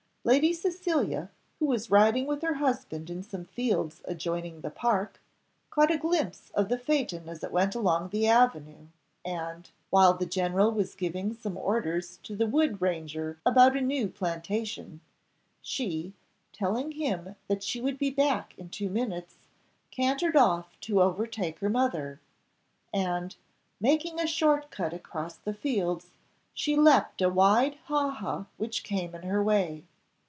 Lady Cecilia, who was riding with her husband in some fields adjoining the park, caught a glimpse of the phaeton as it went along the avenue, and, while the general was giving some orders to the wood ranger about a new plantation, she, telling him that she would be back in two minutes, cantered off to overtake her mother, and, making a short cut across the fields, she leaped a wide ha ha which came in her way.